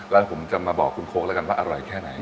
แล้วผมจะมาบอกคุณโค้กแล้วกันว่าอร่อยแค่ไหน